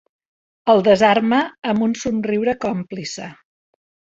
El desarma amb un somriure còmplice.